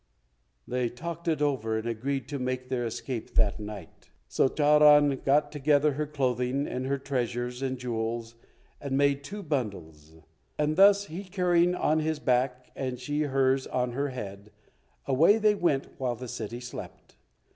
They talked it over, and agreed to make their escape that night. So Charan got together her clothing, and her treasures and jewels, and made two bundles, and thus, he carrying his on his back and she hers on her head, away they went while the city slept.